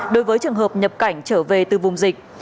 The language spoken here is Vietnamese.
đối với trường hợp nhập cảnh trở về từ vùng dịch